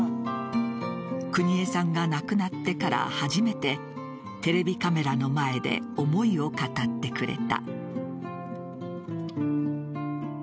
邦衛さんが亡くなってから初めてテレビカメラの前で思いを語ってくれた。